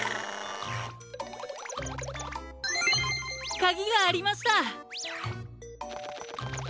かぎがありました！